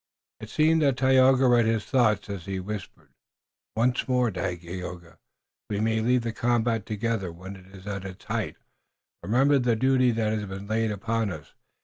It seemed that Tayoga read his thought as he whispered: "Once more, Dagaeoga, we may leave the combat together, when it is at its height. Remember the duty that has been laid upon us.